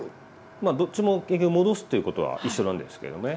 まあどっちも結局戻すということは一緒なんですけどね。